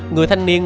người thanh niên